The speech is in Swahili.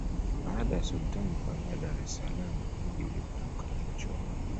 baada ya sultani kuhamia dar es salaam mji ulipanuka kiuchumi